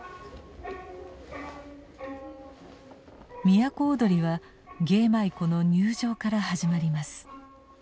都をどりは芸舞妓の入場から始まります。